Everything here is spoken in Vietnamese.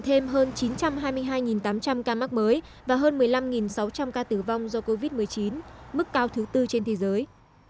thêm hơn chín trăm hai mươi hai tám trăm linh ca mắc mới và hơn một mươi năm sáu trăm linh ca tử vong do covid một mươi chín mức cao thứ tư trên thế giới